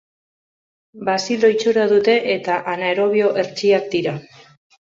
Bazilo itxura dute eta anaerobio hertsiak dira.